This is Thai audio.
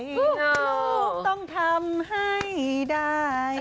ลูกต้องทำให้ได้